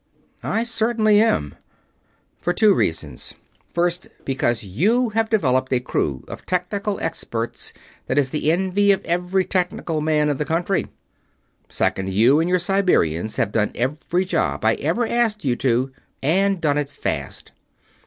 "I certainly am." "For two reasons. First, because you have developed a crew of technical experts that is the envy of every technical man in the country. Second, you and your Siberians have done every job I ever asked you to, and done it fast.